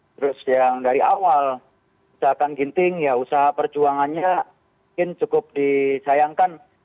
terus yang dari awal usahakan ginting ya usaha perjuangannya mungkin cukup disayangkan